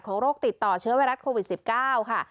โรคติดต่อเชื้อไวรัสโควิด๑๙ค่ะ